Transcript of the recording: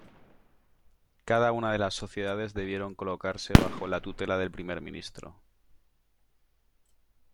Cada una de las sociedades debieron colocarse bajo la tutela del Primer Ministro.